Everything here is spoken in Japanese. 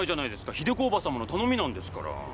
秀子叔母様の頼みなんですから。